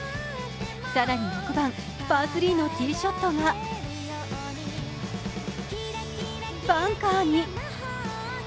更に６番、パー３のティーショットがバンカーに。